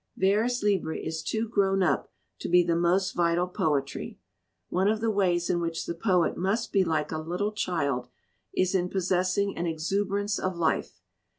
Vers libre is too grown up to be the most vital poetry; one of the ways in which the poet must be like a little child is in possessing an exuberance of life.